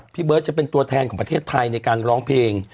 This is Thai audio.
พี่เบิร์ตจะเป็นตัวแทนของประเทศไทยในการร้องเพลง